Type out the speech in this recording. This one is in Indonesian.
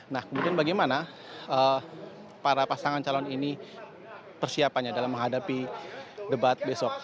nah kemudian bagaimana para pasangan calon ini persiapannya dalam menghadapi debat besok